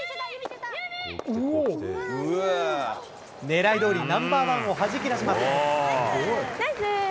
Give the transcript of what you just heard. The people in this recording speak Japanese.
狙いどおり、ナンバー１をはじき出します。